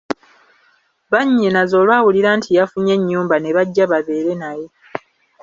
Bannyinaze olwawulira nti yafunye ennyumba ne bajja babeere naye!